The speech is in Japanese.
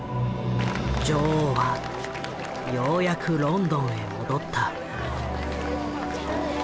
女王はようやくロンドンへ戻った。